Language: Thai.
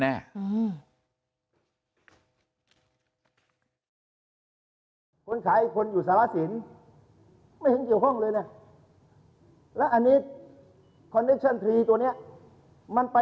มันหมดเลยคุณเศษฐา